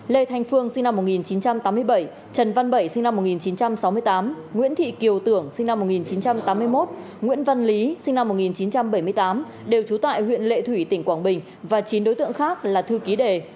lê thanh phương sinh năm một nghìn chín trăm tám mươi bảy trần văn bảy sinh năm một nghìn chín trăm sáu mươi tám nguyễn thị kiều tưởng sinh năm một nghìn chín trăm tám mươi một nguyễn văn lý sinh năm một nghìn chín trăm bảy mươi tám đều trú tại huyện lệ thủy tỉnh quảng bình và chín đối tượng khác là thư ký đề